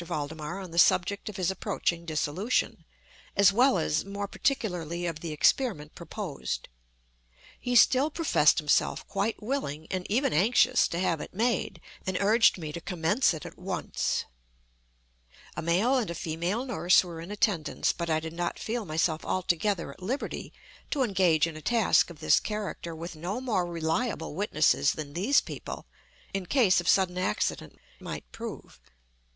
Valdemar on the subject of his approaching dissolution, as well as, more particularly, of the experiment proposed. He still professed himself quite willing and even anxious to have it made, and urged me to commence it at once. A male and a female nurse were in attendance; but I did not feel myself altogether at liberty to engage in a task of this character with no more reliable witnesses than these people, in case of sudden accident, might prove.